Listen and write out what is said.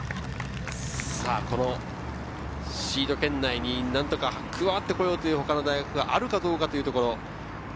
シード圏内になんとか加わってこようという他の大学があるかどうかというところ。